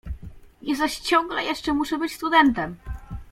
"Ja zaś ciągle jeszcze muszę być studentem!"